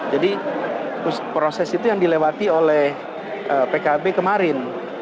jadi proses itu yang dilewati oleh pkb kemarin